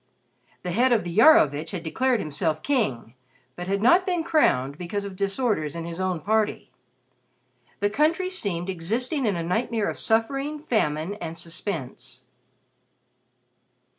The head of the Iarovitch had declared himself king but had not been crowned because of disorders in his own party. The country seemed existing in a nightmare of suffering, famine and suspense.